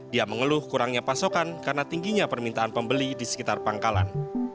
dia mengeluh kurangnya pasokan karena tingginya permintaan pembeli di sekitar pangkalan